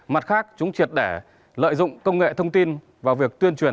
mặt khác chúng triệt để lợi dụng công nghệ thông tin vào việc tuyên truyền